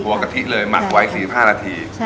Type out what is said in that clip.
กะทิเลยหมักไว้๔๕นาที